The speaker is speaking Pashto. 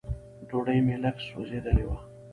ډوډۍ مې لږ سوځېدلې وه.